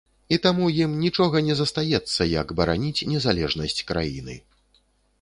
І таму ім нічога не застаецца, як бараніць незалежнасць краіны.